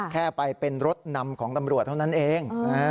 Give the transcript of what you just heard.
แค่ไปเป็นรถนำของตำรวจเท่านั้นเอง